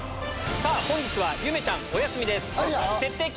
さぁ本日はゆめちゃんお休みです。